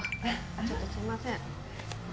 ちょっとすいません。